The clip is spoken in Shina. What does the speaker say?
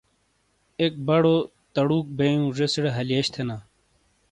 ایک بڑو تڑُوک بئیوں۔ زیسیرے ہلیئش تھینا۔